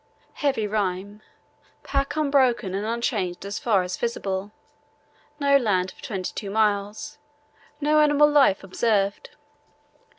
Heavy rime. Pack unbroken and unchanged as far as visible. No land for 22 miles. No animal life observed."